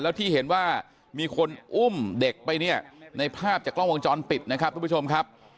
แล้วที่เห็นว่ามีคนอุ้มเด็กไปเนี่ยในภาพจากกล้องวงจรปิดนะครับทุกผู้ชมครับ